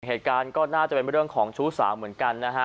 เหตุการณ์ก็น่าจะเป็นเรื่องของชู้สาวเหมือนกันนะฮะ